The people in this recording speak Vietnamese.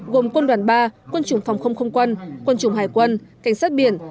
gồm quân đoàn ba quân chủng phòng không không quân quân chủng hải quân cảnh sát biển